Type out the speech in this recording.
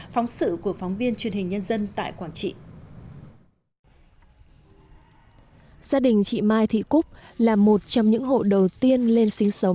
phóng sự của phóng viên truyền hình nhân dân tại quảng trị